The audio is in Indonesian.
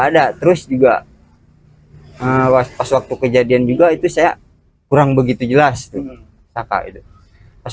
ada terus juga pas waktu kejadian juga itu saya kurang begitu jelas kakak itu pas